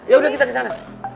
yaudah kita kesana